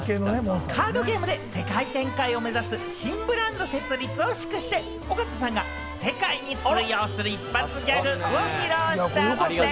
カードゲームで世界展開を目指す新ブランド設立を祝して、尾形さんが世界に通用する一発ギャグを披露したんでぃす！